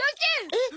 えっ？